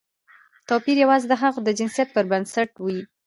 توپیر یوازې د هغوی د جنسیت پر بنسټ وي.